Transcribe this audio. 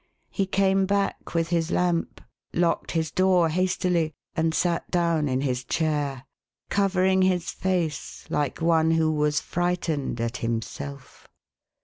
He came back with his lamp, locked his door hastily, and sat down in his chair, covering his face like one who was frightened at himself.